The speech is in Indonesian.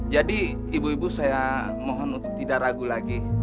jadi ibu ibu saya mohon untuk tidak ragu lagi